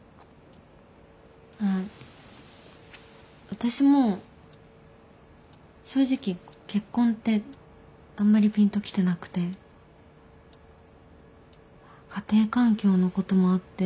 私も正直結婚ってあんまりピンときてなくて家庭環境のこともあって。